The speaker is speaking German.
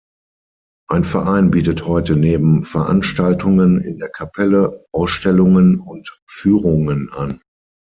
Ein Verein bietet heute neben Veranstaltungen in der Kapelle, Ausstellungen und Führungen an.